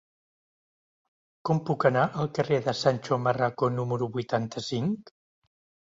Com puc anar al carrer de Sancho Marraco número vuitanta-cinc?